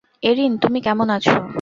Haerin তুমি কেমন আছ?